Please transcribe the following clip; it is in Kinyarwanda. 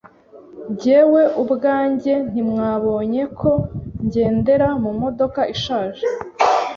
Jyewe ubwanjye ntimwabonye ko ngendera mu modoka ishaje